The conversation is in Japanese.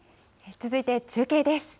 続いて中継です。